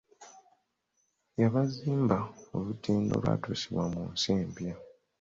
Yabazimba olutindo olwabatuusa mu nsi empya.